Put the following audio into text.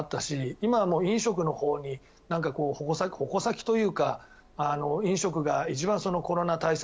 今、飲食のほうに、矛先というか飲食が一番コロナ対策